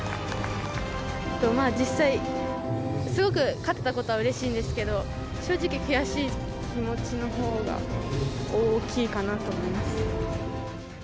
実際、すごく勝てたことはうれしいんですけど、正直、悔しい気持ちのほうが大きいかなと思います。